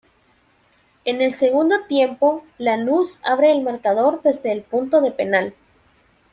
En el segundo tiempo Lanús abre el marcador desde el punto de penal.